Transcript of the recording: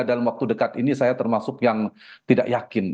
dalam waktu dekat ini saya termasuk yang tidak yakin